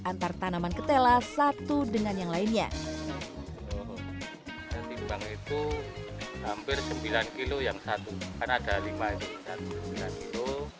antar tanaman ketela satu dengan yang lainnya itu hampir sembilan kilo yang satu kan ada lima sembilan kilo